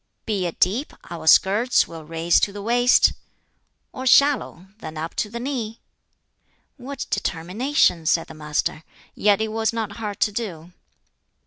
Be it deep, our skirts we'll raise to the waist, Or shallow, then up to the knee,'" "What determination!" said the Master. "Yet it was not hard to do."